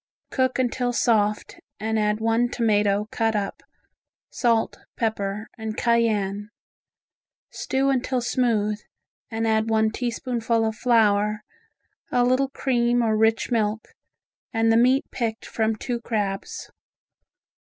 Cook until soft and add one tomato cut up, salt, pepper and cayenne. Stew until smooth, and add one teaspoonful of flour, a little cream or rich milk, and the meat picked from two crabs.